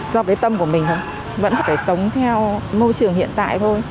do cái tâm của mình vẫn phải sống theo môi trường hiện tại thôi